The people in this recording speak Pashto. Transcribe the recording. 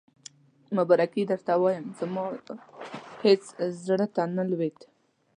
مبارکي یې درته وایم، زما هېڅ زړه ته نه لوېده.